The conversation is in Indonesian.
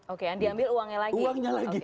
oke diambil uangnya lagi